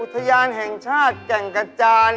อุทยานแห่งชาติแก่งกระจาน